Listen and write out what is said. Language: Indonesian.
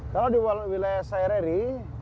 kalau di wilayah saya riri